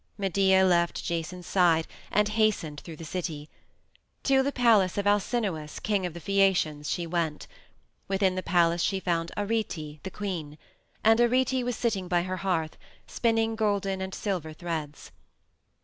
Medea left Jason's side and hastened through the city. To the palace of Alcinous, king of the Phaeacians, she went. Within the palace she found Arete, the queen. And Arete was sitting by her hearth, spinning golden and silver threads.